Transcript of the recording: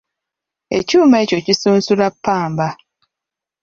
Ekyuma ekyo kisunsula ppamba.